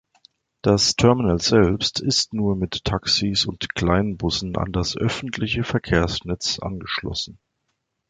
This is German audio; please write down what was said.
Das Terminal selbst ist nur mit Taxis und Kleinbussen an das öffentliche Verkehrsnetz angeschlossen.